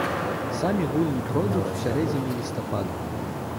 Самі гульні пройдуць ў сярэдзіне лістапада.